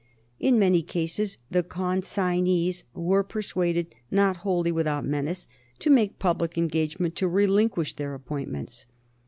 In many cases the consignees were persuaded, not wholly without menace, to make public engagement to relinquish their appointments.